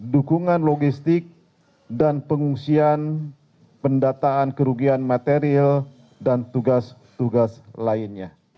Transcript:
dukungan logistik dan pengungsian pendataan kerugian material dan tugas tugas lainnya